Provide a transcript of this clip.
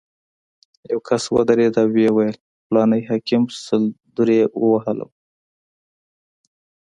یو کس ودرېد او ویې ویل: فلاني حاکم سل درې ووهلم.